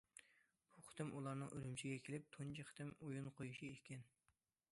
بۇ قېتىم ئۇلارنىڭ ئۈرۈمچىگە كېلىپ تۇنجى قېتىم ئويۇن قويۇشى ئىكەن.